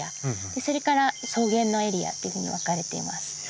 それから草原のエリアっていうふうに分かれています。